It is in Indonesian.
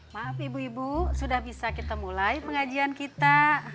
maaf ibu ibu sudah bisa kita mulai pengajian kita